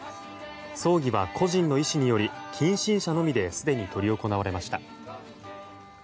葬儀は故人の遺志により近親者のみですでに執り行われました。